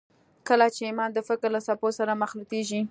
کله چې ايمان د فکر له څپو سره مخلوطېږي.